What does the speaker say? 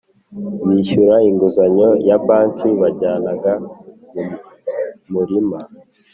bishyura inguzanyo ya banki. Bajyanaga mu murima